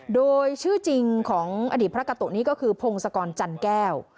โดยชื่อจริงของอดีตพระกะโตนี้ก็คือ